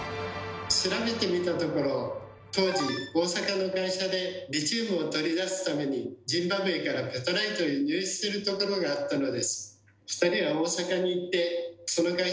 調べてみたところ当時大阪の会社でリチウムを取り出すためにジンバブエからペタライトを輸入してるところがあったのです。